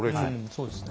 そうですね。